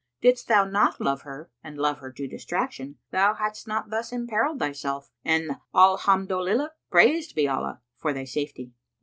Didst thou not love her and love her to distraction, thou hadst not thus imperilled thyself, and Alhamdolillah—Praised be Allah—for thy safety!